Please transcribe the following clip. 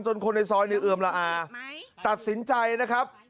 คนในซอยเนี่ยเอือมละอาตัดสินใจนะครับ